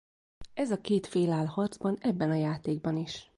Ez a két fél áll harcban ebben a játékban is.